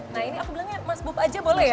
nah ini aku bilangnya mas bob aja boleh ya